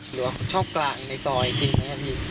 หรือว่าช่องกลางในซอยจริงไหมครับพี่